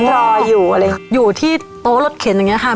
เหมือนรออยู่อะไรอยู่ที่โต๊ะรถเข็นอย่างเงี้ยค่ะครับ